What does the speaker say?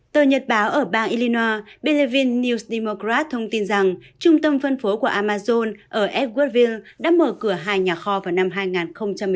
tờ nhật báo ở bang illinois belevin news democrat thông tin rằng trung tâm phân phối của amazon ở edwardville đã mở cửa hai nhà kho vào năm hai nghìn một mươi sáu